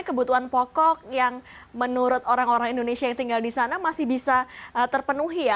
kebutuhan pokok yang menurut orang orang indonesia yang tinggal di sana masih bisa terpenuhi ya